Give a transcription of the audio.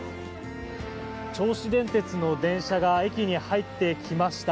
銚子電鉄の電車が駅に入ってきました。